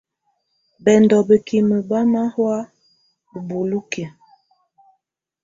Bɛndɔ̀ bǝ́kimǝ́ bá nà hɔ̀á ù bùóli kɛ̀á.